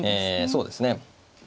そうですね。